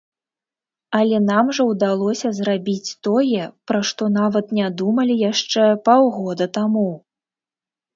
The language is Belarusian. Але нам жа ўдалося зрабіць тое, пра што нават не думалі яшчэ паўгода таму.